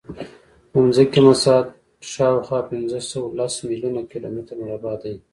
د ځمکې ټول مساحت شاوخوا پینځهسوهلس میلیونه کیلومتره مربع دی.